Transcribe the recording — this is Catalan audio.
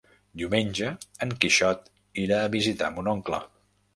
Diumenge en Quixot irà a visitar mon oncle.